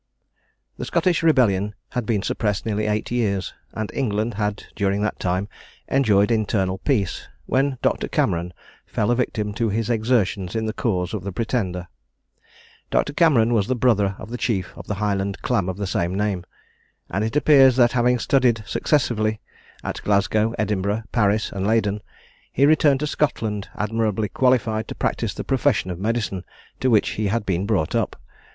The Scottish rebellion had been suppressed nearly eight years, and England had, during that time, enjoyed internal peace, when Doctor Cameron fell a victim to his exertions in the cause of the Pretender. Doctor Cameron was the brother of the chief of the Highland clan of the same name; and it appears that having studied successively at Glasgow, Edinburgh, Paris, and Leyden, he returned to Scotland admirably qualified to practise the profession of medicine, to which he had been brought up.